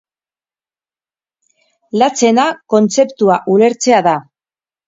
Latzena kontzeptua ulertzea da.